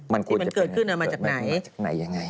มันเกิดขึ้นมาจากไหน